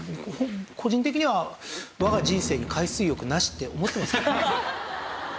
個人的には「我が人生に海水浴なし」って思ってます。